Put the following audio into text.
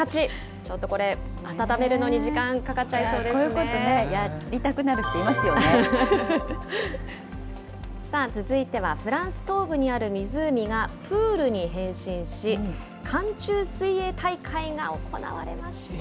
ちょっとこれ、温めるのに時間かこういうことね、やりたくな続いてはフランス東部にある湖がプールに変身し、寒中水泳大会が行われました。